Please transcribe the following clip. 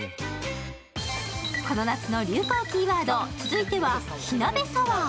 この夏の流行キーワード、続いては火鍋サワー。